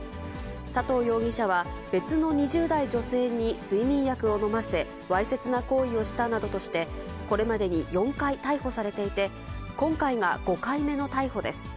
佐藤容疑者は、別の２０代女性に睡眠薬を飲ませ、わいせつな行為をしたなどとして、これまでに４回逮捕されていて、今回が５回目の逮捕です。